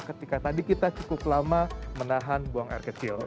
ketika tadi kita cukup lama menahan buang air kecil